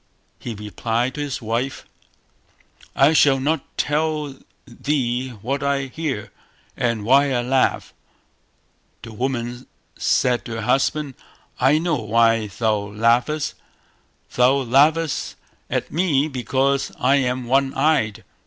He replied to his wife "I shall not tell thee what I hear, and why I laugh". The woman said to her husband "I know why thou laughest; thou laughest at me because I am one eyed".